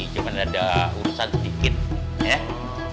cuma ada urusan sedikit ya